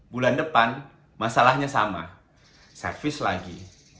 bulan depan masalahnya sama servis lagi